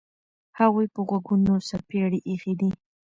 هغوی په غوږونو څپېړې ایښي دي.